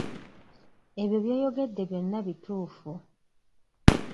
Ebyo by'oyogedde byonna bituufu.